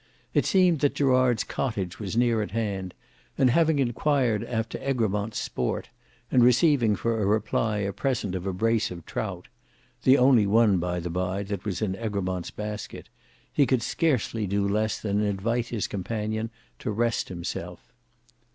It seemed that Gerard's cottage was near at hand, and having inquired after Egremont's sport, and receiving for a reply a present of a brace of trout,—the only one, by the bye, that was in Egremont's basket,—he could scarcely do less than invite his companion to rest himself.